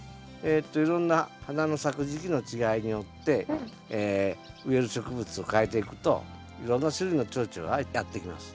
いろんな花の咲く時期の違いによって植える植物をかえていくといろんな種類のチョウチョがやって来ます。